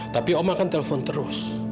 tapi om akan telpon terus